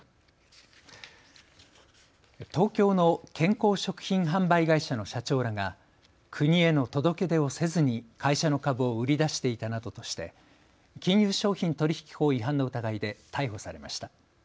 東京の健康食品販売会社の社長らが国への届け出をせずに会社の株を売り出していたなどとして金融商品取引法違反の疑いで逮捕されました。